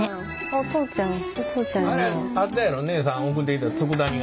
お父ちゃんに。